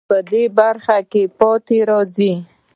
ډېر کسان په دې برخه کې پاتې راځي.